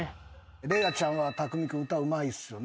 礼愛ちゃんは匠海君歌うまいっすよね。